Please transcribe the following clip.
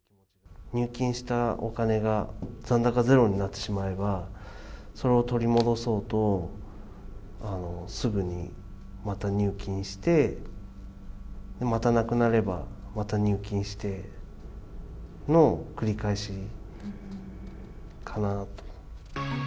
入金したお金が残高ゼロになってしまえば、それを取り戻そうと、すぐにまた入金して、またなくなれば、また入金しての繰り返しかなと。